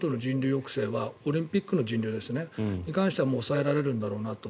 抑制はオリンピックの人流に関しては抑えられるんだろうなと。